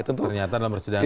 ternyata dalam persidangan